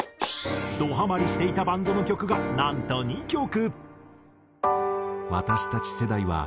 どハマりしていたバンドの曲がなんと２曲。